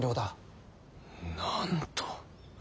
なんと。